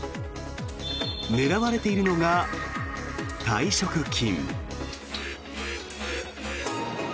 狙われているのが退職金。